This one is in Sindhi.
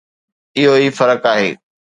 اهو ئي فرق آهي.